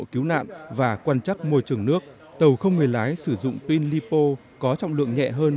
cứu nạn và quan trắc môi trường nước tàu không người lái sử dụng pin lipo có trọng lượng nhẹ hơn